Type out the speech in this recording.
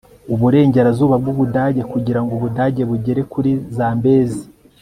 uburengerazuba bw'ubudage kugira ngo ubudage bugere kuri zambezi